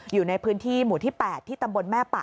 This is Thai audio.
อยู่ในพื้นที่หมู่ที่๘ที่ตำบลแม่ปะ